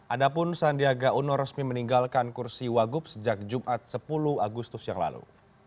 adapun sandiaga uno resmi meninggalkan kursi wagup sejak jumat sepuluh agustus yang lalu